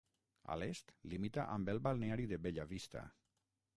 A l'est limita amb el balneari de Bella Vista.